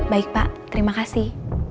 baik pak terima kasih